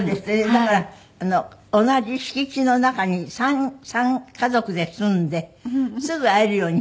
だから同じ敷地の中に３家族で住んですぐ会えるように。